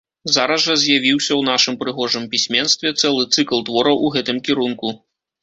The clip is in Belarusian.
Зараз жа з'явіўся ў нашым прыгожым пісьменстве цэлы цыкл твораў у гэтым кірунку.